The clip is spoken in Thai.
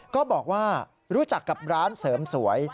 ก็บอกว่ารู้จักกับร้านเสริมสวย